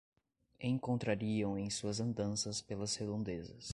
Encontrariam em suas andanças pelas redondezas